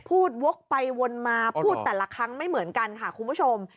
วกไปวนมาพูดแต่ละครั้งไม่เหมือนกันค่ะคุณผู้ชม